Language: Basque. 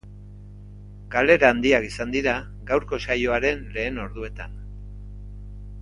Galera handiak izan dira gaurko saioaren lehen orduetan.